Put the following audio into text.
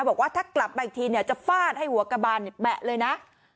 บอกว่าถ้ากลับมาอีกทีเนี่ยจะฟาดให้หัวกระบานแบะเลยนะ